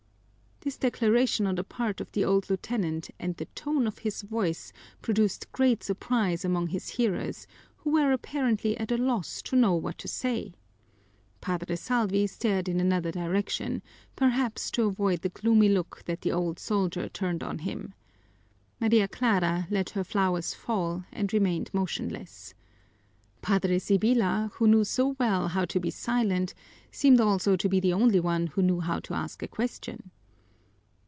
This declaration on the part of the old lieutenant and the tone of his voice produced great surprise among his hearers, who were apparently at a loss to know what to say. Padre Salvi stared in another direction, perhaps to avoid the gloomy look that the old soldier turned on him. Maria Clara let her flowers fall and remained motionless. Padre Sibyla, who knew so well how to be silent, seemed also to be the only one who knew how to ask a question.